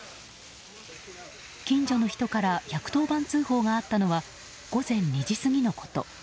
近所の人から１１０番通報があったのは午前２時過ぎのこと。